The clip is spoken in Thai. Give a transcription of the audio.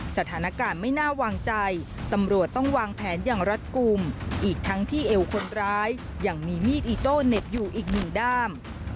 สถานการณ์ไม่น่าวางใจตำรวจต้องวางแผนอย่างรัฐกลุ่มอีกทั้งที่เอวคนร้ายยังมีมีดอิโต้เหน็บอยู่อีกหนึ่งด้าม